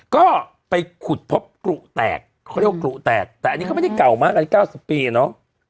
ก็ไปขุดพบกลู่แตกเขาเรียกว่ากลู่แตกแต่นี่ก็ไม่ได้เก่ามาก๙๐ปีเนอะ